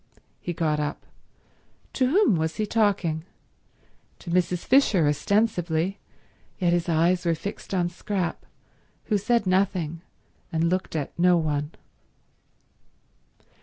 He got up. To whom was he talking? To Mrs. Fisher, ostensibly, yet his eyes were fixed on Scrap, who said nothing and looked at no one.